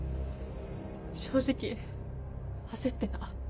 正直焦ってた。